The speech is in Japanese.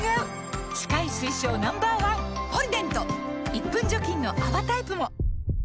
１分除菌の泡タイプも！